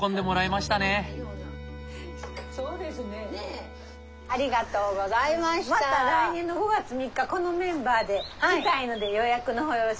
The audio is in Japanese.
また来年の５月３日このメンバーで来たいので予約の方よろしくお願いします。